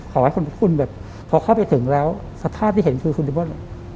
ขอให้คุณพระคุณแบบพอเข้าไปถึงแล้วสภาพที่เห็นคุณคุณเดมอน